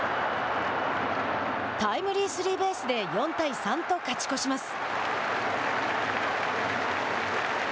タイムリースリーベースで４対３と勝ち越します。